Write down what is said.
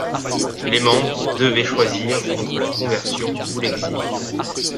Les membres devaient choisir entre la conversion ou l'exil.